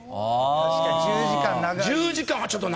確かに１０時間長いですね。